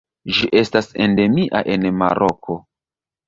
Ĝi estas endemia en Maroko.